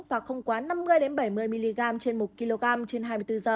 bốn sáu h và không quá năm mươi bảy mươi mg trên một kg trên hai mươi bốn h